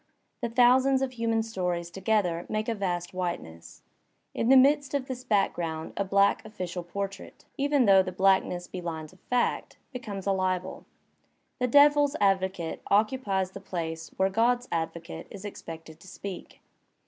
The thousands of human stories together make a vast whiteness. In the midst of this background a black official portrait, even though the blackness be lines of fact, becomes a libel. The Devil's Advocate occupies the place where God*s Advocate is ex pected to speak.